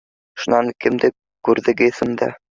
— Шунан, кемде күрҙегеҙ унда?